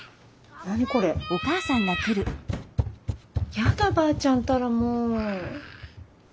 やだばあちゃんったらもう。